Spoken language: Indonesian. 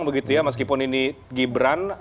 begitu ya meskipun ini gibran